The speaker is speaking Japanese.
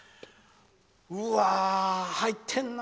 うわあ、入ってるな。